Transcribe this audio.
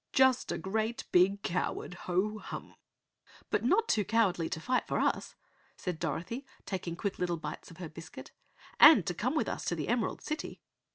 "Just a great, big coward! Ho hum!" "But not too cowardly to fight for us," said Dorothy, taking quick little bites of her biscuit, "and to come with us to the Emerald City."